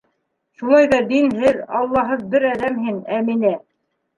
— Шулай ҙа динһеҙ, аллаһыҙ бер әҙәм һин, Әминә.